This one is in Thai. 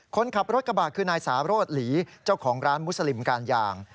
คนขับรถกระบะคือนายสาโรธหลีเจ้าของร้านมุสลิมการยาง